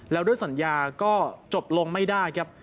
แล้วด้วยสัญญาก็จบลงไม่ได้ครับ